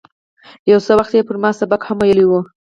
یو څه وخت یې پر ما سبق هم ویلی و.